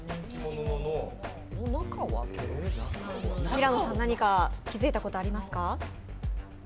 平野さん、何か気付いたことありますか？